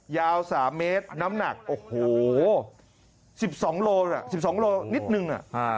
ยาว๓เมตรน้ำหนัก๑๒โลกรัมนิดหนึ่ง